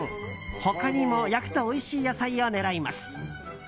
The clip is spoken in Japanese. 他にも焼くとおいしい野菜を狙います。